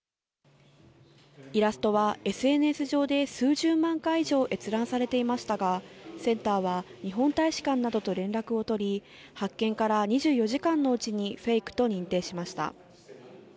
イラストはＳＮＳ上で数十万回以上閲覧されていましたが、センターは日本大使館などと連絡を取り、発見から２４時間のうちにフェイクと認定しました。